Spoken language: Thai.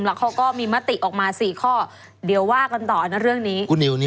แล้วเขาก็มีมติออกมา๔ข้อเดี๋ยวว่ากันต่อนะเรื่องนี้